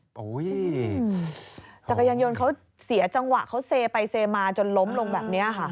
โอ้โหจักรยานยนต์เขาเสียจังหวะเขาเซไปเซมาจนล้มลงแบบนี้ค่ะ